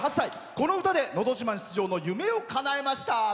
この歌で「のど自慢」出場の夢をかなえました。